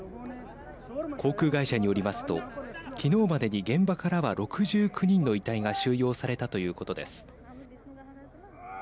航空会社によりますと昨日までに現場からは６９人の遺体が収容されたということです。